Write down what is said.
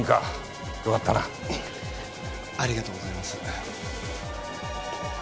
ありがとうございます。